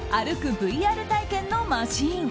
ＶＲ体験のマシン。